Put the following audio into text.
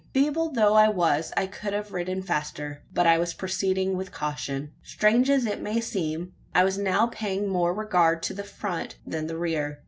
Feeble though I was, I could have ridden faster, but I was proceeding with caution. Strange as it may seem, I was now paying more regard to the front than the rear.